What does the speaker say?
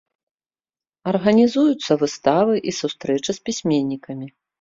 Арганізуюцца выставы і сустрэчы з пісьменнікамі.